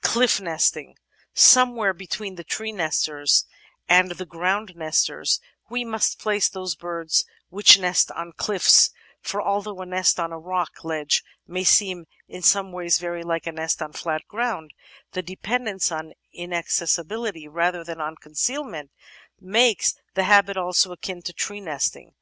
Cliff Nesting Somewhere between the tree nesters and the ground nesters we must place those birds which nest on cliffs, for although a nest on a rock ledge may seem in some ways very like a nest on flat ground, the dependence on inaccessibility rather than on con cealment makes the habit also akin to tree nesting.